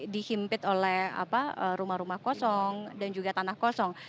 dihimpit oleh rumah rumah kosong dan juga tanah kosong